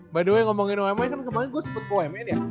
by the way ngomongin umm nya kan kemarin gue sebut poemen ya